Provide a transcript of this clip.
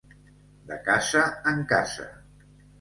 De casa en casa.